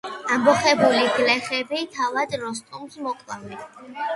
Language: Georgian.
ამბოხებული გლეხები თავად როსტომს მოკლავენ.